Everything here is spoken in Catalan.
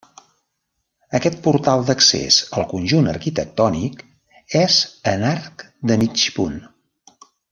Aquest portal d'accés al conjunt arquitectònic és en arc de mig punt.